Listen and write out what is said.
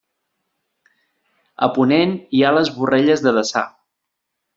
A ponent hi ha les Borrelles de Deçà.